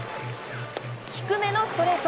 低めのストレート。